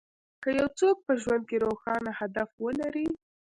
که يو څوک په ژوند کې روښانه هدف ولري.